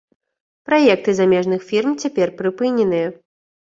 Праекты замежных фірм цяпер прыпыненыя.